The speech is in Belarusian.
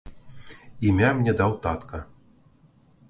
Імя мне даў татка.